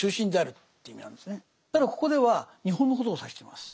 ただここでは日本のことを指しています。